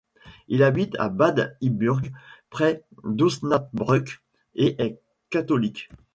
Il habite à Bad Iburg près d'Osnabrück et est catholique.